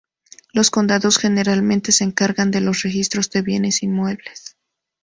Los condados generalmente se encargan de los registros de bienes inmuebles.